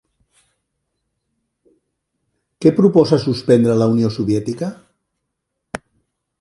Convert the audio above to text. Què proposa suspendre la Unió Soviètica?